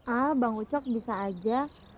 ah bang ucok bisa aja